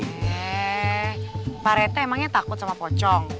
oke pak rete emangnya takut sama pocong